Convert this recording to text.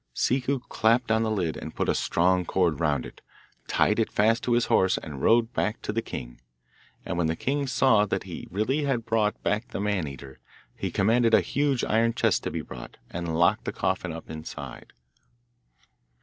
Ciccu clapped on the lid, put a strong cord round it, tied it fast on his horse, and rode back to the king. And when the king saw that he really had brought back the Man eater, he commanded a huge iron chest to be brought, and locked the coffin up inside.